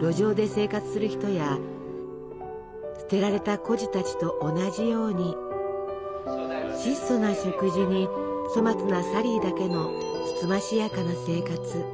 路上で生活する人や捨てられた孤児たちと同じように質素な食事に粗末なサリーだけのつつましやかな生活。